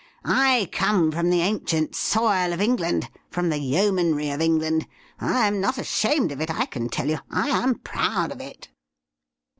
I come from the ancient soil of England — from the yeomanry of England. I am not ashamed of it, I can tell you — ^I am proud of it.'